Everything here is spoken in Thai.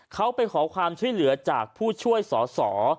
เขาไปขอความช่วยเหลือจากผู้ช่วยสอสอ